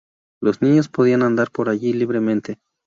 Los niños podían andar por allí libremente.